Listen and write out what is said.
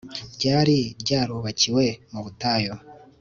ryari ryarubakiwe mu butayu